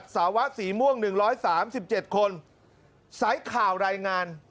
สาวะสีม่วง๑๓๗คน